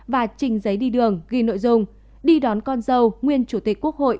và trình giấy đi đường ghi nội dung đi đón con dâu nguyên chủ tịch quốc hội